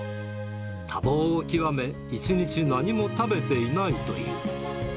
多忙を極め、一日何も食べていないという。